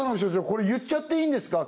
これ言っちゃっていいんですか？